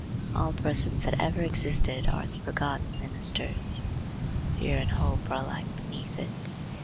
All persons that ever existed are its forgotten ministers. Fear and hope are alike beneath it.